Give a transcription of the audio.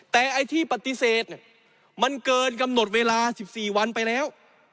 แต่ไอ้ที่ปฏิเสธมันเกินกำหนดเวลา๑๔วันไปแล้ว